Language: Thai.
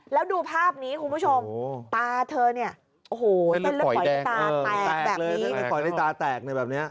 แล้วดูภาพนี้คุณผู้ชมตาเธอเนี้ยโอ้โหมันลึกขอยตาแตกแบบนี้